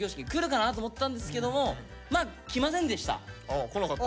あ来なかった？